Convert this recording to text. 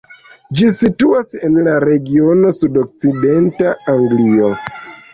Ĝi situas en la regiono sudokcidenta Anglio.